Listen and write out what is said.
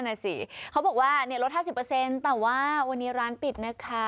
น่ะสิเขาบอกว่าลด๕๐แต่ว่าวันนี้ร้านปิดนะคะ